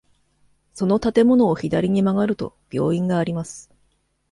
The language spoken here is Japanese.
その建物を左に曲がると、病院があります。